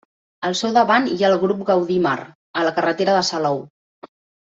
Al seu davant hi ha el grup Gaudí Mar, a la carretera de Salou.